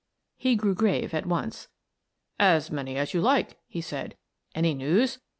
" He grew grave at once. "As many as you like/' he said. "Any news?